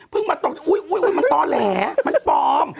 มาตกอุ๊ยมันต่อแหลมันปลอม